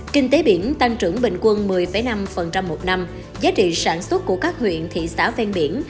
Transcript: kinh tế biển tăng trưởng bình quân một mươi năm một năm giá trị sản xuất của các huyện thị xã ven biển